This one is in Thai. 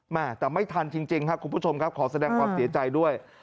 แต่ไม่ทันจริงครับคุณผู้ชมครับขอแสดงความเสียใจด้วย